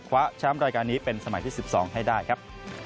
แชมป์รายการนี้เป็นสมัยที่๑๒ให้ได้ครับ